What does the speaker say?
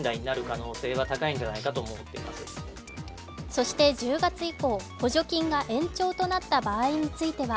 そして１０月以降、補助金が延長となった場合については